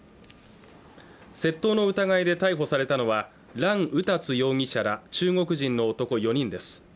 窃盗の疑いで逮捕されたのは蘭宇達容疑者ら中国人の男４人です